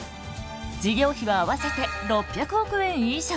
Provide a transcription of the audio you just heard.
事業費は合わせて６００億円以上。